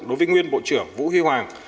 đối với nguyên bộ trưởng vũ huy hoàng